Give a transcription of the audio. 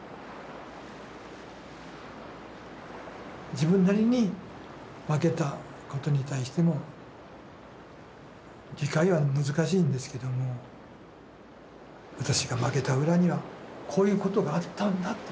自分なりに負けたことに対しての理解は難しいんですけども私が負けた裏にはこういうことがあったんだと。